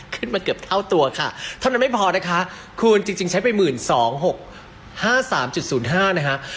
ขึ้นมาเกือบเท่าตัวค่ะเท่านั้นไม่พอนะคะคูณจริงใช้ไป๑๒๖๕๓๐๕นะคะ